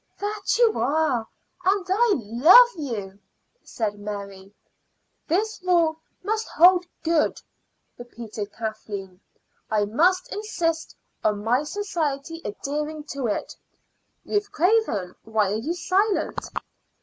"That you are, and I love you," said Mary. "This rule must hold good," repeated Kathleen. "I must insist on my society adhering to it. Ruth Craven, why are you silent?"